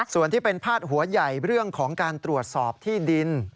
ส่วนที่เป็นพาดหัวใหญ่เรื่องของการตรวจสอบที่ดิน